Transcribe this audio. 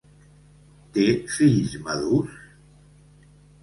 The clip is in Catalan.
Té fills madurs?